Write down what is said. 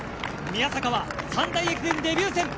宮坂は三大駅伝デビュー戦。